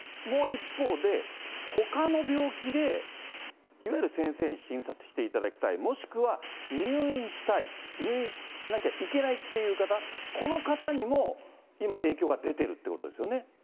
もう一方で、ほかの病気でいわゆる先生に診察していただきたい、もしくは入院したい、入院しなきゃいけないっていう方、この方にも今、影響が出てるっていうことですよね。